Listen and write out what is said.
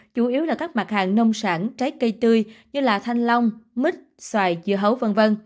chủ yếu là các mặt hàng nông sản trái cây tươi như thanh long mít xoài dưa hấu v v